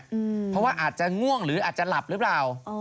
เพราะว่าอาจจะง่วงหรืออาจจะหลับหรือเปล่า